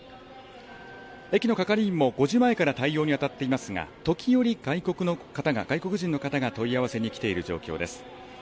駅の係員も、５時前から対応に当たっていますが、時折、外国人の方が問い合わせに来ている状況です。